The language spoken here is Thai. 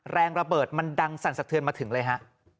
แรงระเบิดมันดังสั่นสะเทือนมาถึงเลยฮะ